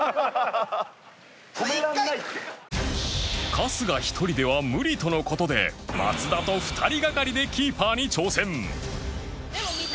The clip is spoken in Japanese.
春日一人では無理との事で松田と２人がかりでキーパーに挑戦